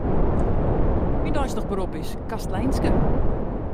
Myn deistich berop is kastleinske.